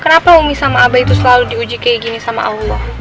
kenapa umi sama abah itu selalu diuji kayak gini sama allah